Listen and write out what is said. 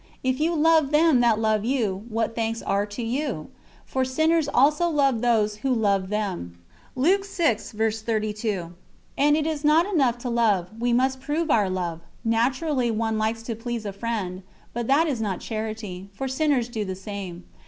"If you love them that love you, what thanks are to you? For sinners also love those that love them." And it is not enough to love, we must prove our love; naturally one likes to please a friend, but that is not charity, for sinners do the same.